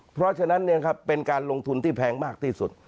เพราะฉะนั้นเป็นการลงทุนที่แพงมากที่สุด